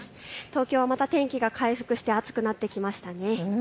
東京また、天気が回復して暑くなってきましたね。